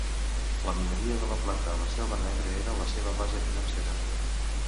La mineria de la plata a la Selva Negra era la seva base financera.